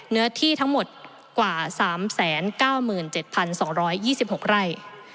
เนื้อที่ทั้งหมดกว่า๓๙๗๒๒๖ไร่